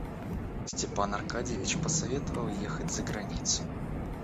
Степан Аркадьич посоветовал ехать за границу.